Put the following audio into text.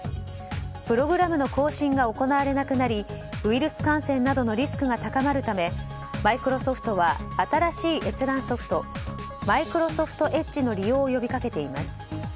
プログラムの更新が行われなくなりウイルス感染などのリスクが高まるためマイクロソフトは新しい閲覧ソフトマイクロソフトエッジの利用を呼びかけています。